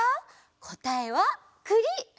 こたえはくり！